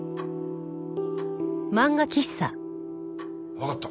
わかった。